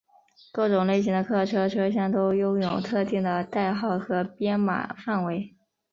各种类型的客车车厢都拥有特定的代号和编码范围。